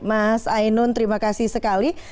mas ainun terima kasih sekali